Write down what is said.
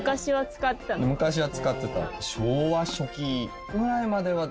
昔は使ってた。